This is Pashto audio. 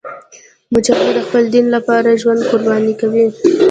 مجاهد د خپل دین لپاره ژوند قرباني کوي.